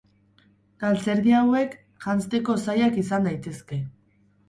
Galtzerdi hauek janzteko zailak izan daitezte.